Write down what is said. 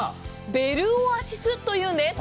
ベルオアシスというんです。